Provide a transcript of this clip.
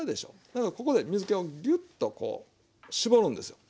だからここで水けをギュッとこう絞るんですよ。